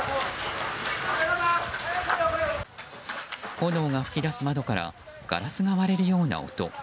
炎が噴き出す窓からガラスが割れるような音。